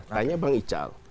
tanya bang ical